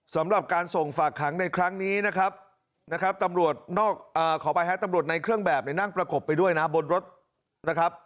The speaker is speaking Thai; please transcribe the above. สำหรับการส่งฝากขังในครั้งนี้นะครับนะครับตำรวจนอกขอไปฮะตำรวจในเครื่องแบบนั่งประกบไปด้วยนะบนรถนะครับ